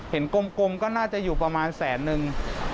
กลมก็น่าจะอยู่ประมาณแสนนึง